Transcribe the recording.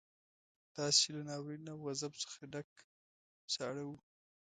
داسې له ناورين او غضب څخه ډک ساړه وو.